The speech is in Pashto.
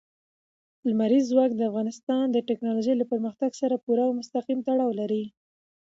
لمریز ځواک د افغانستان د تکنالوژۍ له پرمختګ سره پوره او مستقیم تړاو لري.